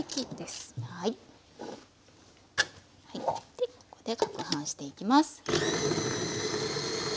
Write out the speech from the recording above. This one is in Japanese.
でここでかくはんしていきます。